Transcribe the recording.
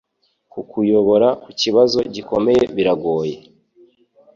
Kukuyobora kukibazo gikomeye biragoye.